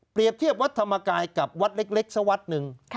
เทียบวัดธรรมกายกับวัดเล็กสักวัดหนึ่ง